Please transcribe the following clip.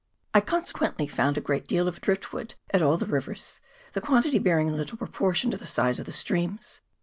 I con sequently found a great deal of drift wood at all the rivers, the quantity bearing little proportion to the size of the streams.